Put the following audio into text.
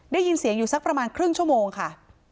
ได้ยินเสียงอยู่สักประมาณครึ่งชั่วโมงค่ะ